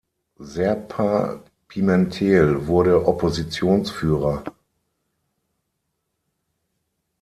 Serpa Pimentel wurde Oppositionsführer.